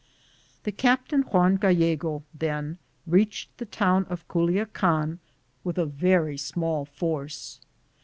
The captain Juan Gallego, then, reached the town of Culiacan with a very small force.